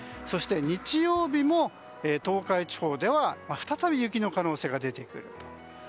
そして日曜日も東海地方では再び雪の可能性が出てくると。